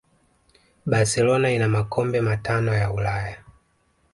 barcelona ina makombe matano ya ulaya